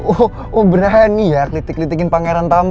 oh berani ya klitik litikin pangeran tampan ya